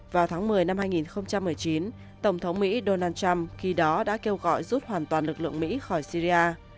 vào tháng một mươi năm hai nghìn một mươi chín tổng thống mỹ donald trump khi đó đã kêu gọi rút hoàn toàn lực lượng mỹ khỏi syria